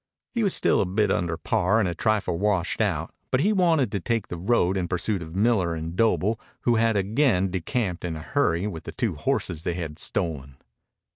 He was still a bit under par, a trifle washed out, but he wanted to take the road in pursuit of Miller and Doble, who had again decamped in a hurry with the two horses they had stolen.